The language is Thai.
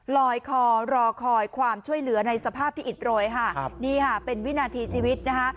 ลอยคอรอคอยความช่วยเหลือในสภาพที่อิดโรยค่ะครับนี่ค่ะเป็นวินาทีชีวิตนะคะ